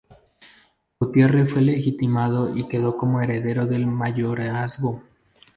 Gutierre fue legitimado y quedó como heredero del mayorazgo.